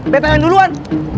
betta yang duluan